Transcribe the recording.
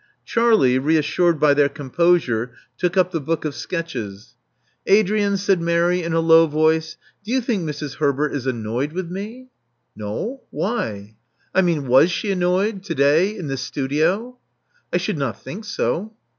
Charlie, reassured by their composure, took up the book of sketches. 4o6 Love Among the Artists '* Adrian," said Mary, in a low voice: ''do you think Mrs. Herbert is annoyed with me?" *'Xo. Why?'* ''I mean, zvas she annoyed — to day — ^in the studio?" I should not think so.